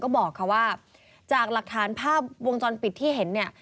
ก็บอกค่ะว่าจากหลักฐานภาพวงจรปิดที่เห็นเนี่ย